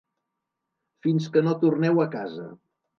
Fins que no torneu a casa